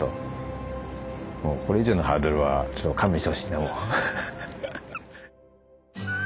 もうこれ以上のハードルはちょっと勘弁してほしいなもう。